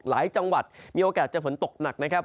หลายจังหวัดมีโอกาสเจอฝนตกหนักนะครับ